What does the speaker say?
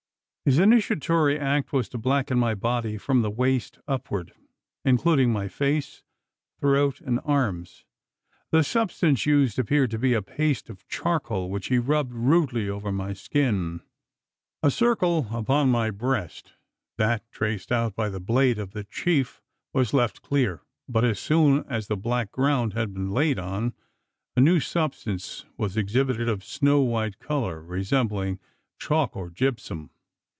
His initiatory act was to blacken my body from the waist upward, including my face, throat, and arms. The substance used appeared to be a paste of charcoal, which he rubbed rudely over my skin. A circle upon my breast that traced out by the blade of the chief was left clear; but as soon as the black ground had been laid on, a new substance was exhibited, of snow white colour, resembling chalk or gypsum.